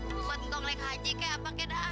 buat ngonglek haji ke apa ke daan